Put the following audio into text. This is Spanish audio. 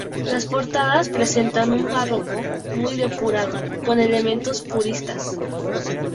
Las portadas presentan un barroco muy depurado, con elementos puristas.